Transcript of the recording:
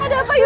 ada apa ayah